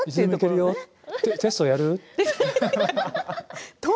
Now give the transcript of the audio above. テストやる？と。